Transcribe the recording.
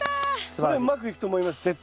これうまくいくと思います絶対。